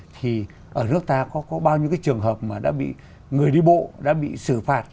thì ở nước ta có bao nhiêu cái trường hợp mà đã bị người đi bộ đã bị xử phạt